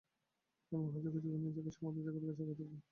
এই মহাযোগে যোগী নিজেকে ও সমুদয় জগৎকে সাক্ষাৎ ঈশ্বররূপে অনুভব করেন।